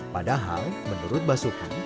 padahal menurut basuki